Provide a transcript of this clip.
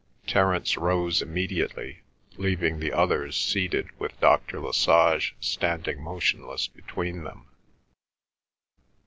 Terence rose immediately, leaving the others seated with Dr. Lesage standing motionless between them.